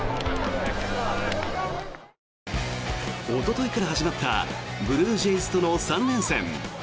おとといから始まったブルージェイズとの３連戦。